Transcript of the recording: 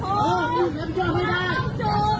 ขอแรงลุงกันแบบนี้ให้เหรอ